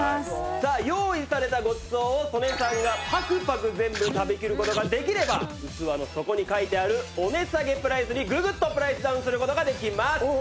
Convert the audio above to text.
さあ用意されたごちそうを曽根さんがパクパク全部食べきる事ができれば器の底に書いてあるお値下げプライスにググッとプライスダウンする事ができます。